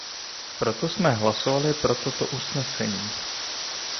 Proto jsme hlasovali pro toto usnesení.